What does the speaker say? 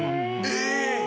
え！